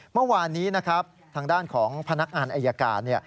เมื่อวานนี้นะครับทางด้านของพนักงานอายการ